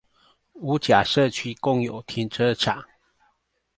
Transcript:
五甲社區公有停車場